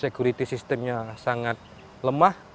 sekuriti sistemnya sangat lemah